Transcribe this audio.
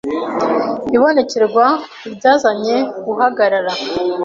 ibonekerwa ryanzanye guhagarara.